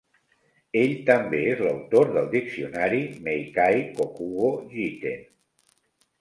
Ell també és l'autor del diccionari "Meikai Kokugo Jiten".